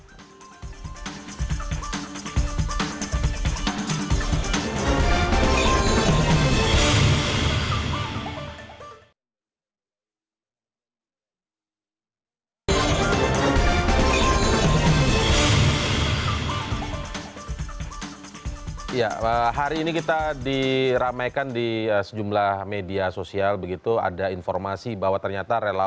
kan banyak nah artinya